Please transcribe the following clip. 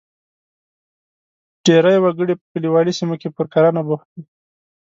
ډېری وګړي په کلیوالي سیمو کې پر کرنه بوخت دي.